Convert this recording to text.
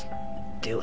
では。